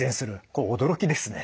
これ驚きですね。